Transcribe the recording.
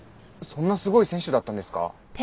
そんなすごい選手だったんですか。